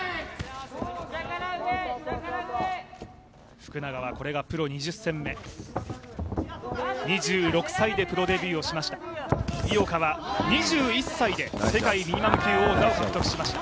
福永はこれがプロ２０戦目、２６歳でプロデビューをしました井岡は２１歳で世界ミニマム級王座を獲得しました。